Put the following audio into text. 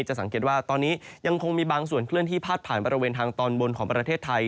สังเกตว่าตอนนี้ยังคงมีบางส่วนเคลื่อนที่พาดผ่านบริเวณทางตอนบนของประเทศไทย